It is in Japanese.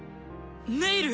ネイル！？